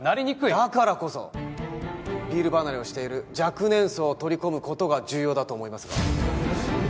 だからこそビール離れをしている若年層を取り込む事が重要だと思いますが。